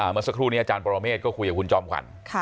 เมื่อสักครู่นี้อาจารย์ปรเมฆก็คุยกับคุณจอมขวัญ